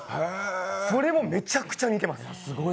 それもめちゃくちゃ似てます。